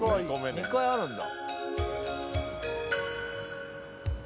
２回あるんだ。